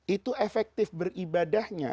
itu efektif beribadahnya